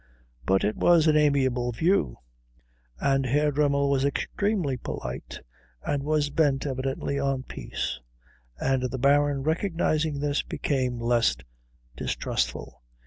But it was an amiable view, and Herr Dremmel was extremely polite and was bent evidently on peace, and the Baron, recognising this, became less distrustful.